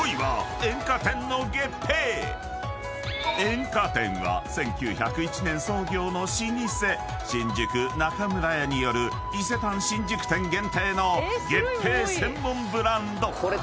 ［「円果天」は１９０１年創業の老舗「新宿中村屋」による伊勢丹新宿店限定の月餅専門ブランド］